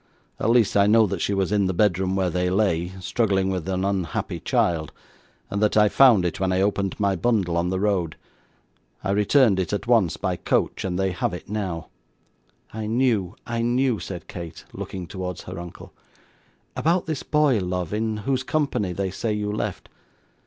At least, I know that she was in the bedroom where they lay, struggling with an unhappy child, and that I found it when I opened my bundle on the road. I returned it, at once, by coach, and they have it now.' 'I knew, I knew,' said Kate, looking towards her uncle. 'About this boy, love, in whose company they say you left?